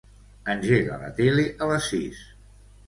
Engega la tele a les sis.